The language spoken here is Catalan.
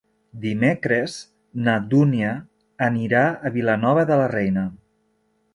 Dimecres na Dúnia anirà a Vilanova de la Reina.